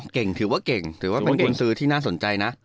ถือว่าเก่งถือว่าเป็นกุญซื้อที่น่าสนใจนะ